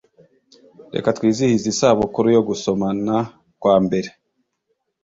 Reka twizihize isabukuru yo gusomana kwambere.